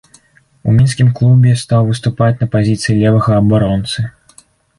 У мінскім клубе стаў выступаць на пазіцыі левага абаронцы.